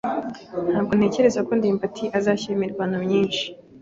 Ntabwo ntekereza ko ndimbati azashyira imirwano myinshi.